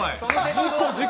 事故、事故。